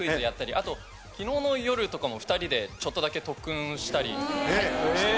あと昨日の夜とかも２人でちょっとだけ特訓したりしてました。